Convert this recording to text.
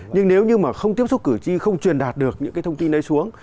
nhưng nếu như mà không tiếp xúc cử tri không truyền đạt được những cái thông tin đấy xuống